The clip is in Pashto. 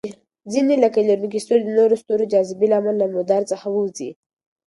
ځینې لکۍ لرونکي ستوري د نورو ستورو جاذبې له امله له مدار څخه ووځي.